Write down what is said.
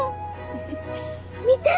見て！